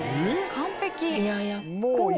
完璧」